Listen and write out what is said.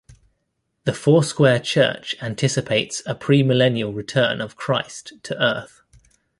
The Foursquare Church anticipates a premillennial return of Christ to earth.